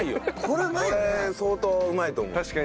これ相当うまいと思う。